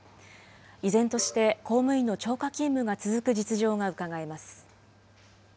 依然として、公務員の超過勤務が続く実情がうかがえます。